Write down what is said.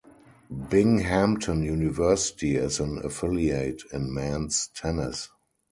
Binghamton University is an affiliate in men's tennis.